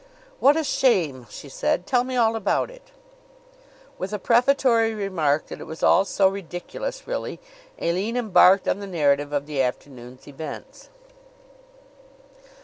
"What a shame!" she said. "Tell me all about it." With a prefatory remark that it was all so ridiculous, really, Aline embarked on the narrative of the afternoon's events.